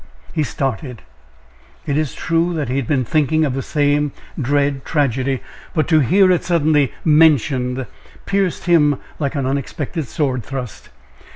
He started it is true that he had been thinking of the same dread tragedy but to hear it suddenly mentioned pierced him like an unexpected sword thrust.